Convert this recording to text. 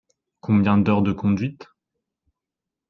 Combien d’heures de conduite ?